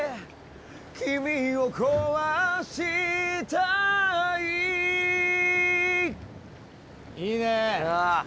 君を壊したいいいね。